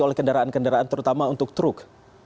oleh kendaraan kendaraan terutama untuk truk